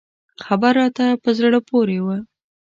خبر راته په زړه پورې و.